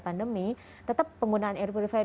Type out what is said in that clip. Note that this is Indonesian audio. pandemi tetap penggunaan air purifier